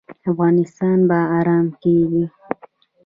افغانستان به ارام کیږي؟